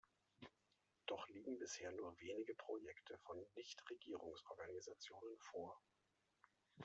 Doch liegen bisher nur wenige Projekte von Nichtregierungsorganisationen vor.